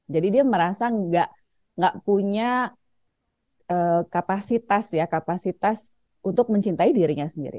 jadi dia merasa nggak punya kapasitas untuk mencintai dirinya sendiri